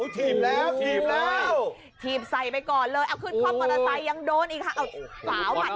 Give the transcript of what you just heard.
ทีบแล้วทีบใส่ไปก่อนเลยเอาขึ้นความประสัยยังโดนอีกครั้ง